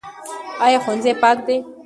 ایا ښوونځی پاک دی؟